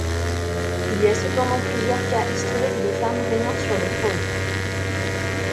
Il y a cependant plusieurs cas historiques de femmes régnant sur le trône.